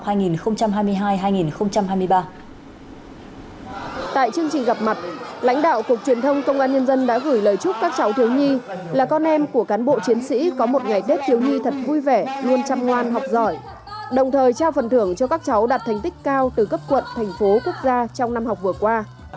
tại chương trình gặp mặt lãnh đạo cục truyền thông công an nhân dân đã gửi lời chúc các cháu thiếu nhi là con em của cán bộ chiến sĩ có một ngày tết thiếu nhi thật vui vẻ luôn chăm ngoan học giỏi đồng thời trao phần thưởng cho các cháu đạt thành tích cao từ cấp quận thành phố quốc gia trong năm học vừa qua